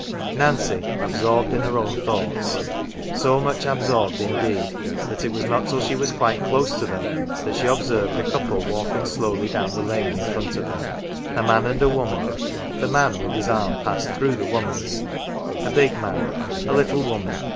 Nancy absorbed in her own thoughts ; so much absorbed, indeed, that it was not till she was quite close to them that she observed a couple walking slowly down the lane in front of her. A man and a woman, the man with his arm passed through the woman's. A big man ; a little woman.